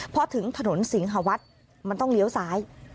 พอถึงถนนสิงหาวัดมันต้องเลี้ยวซ้าย